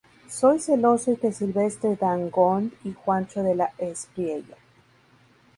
Soy celoso y que Silvestre Dangond y Juancho De la Espriella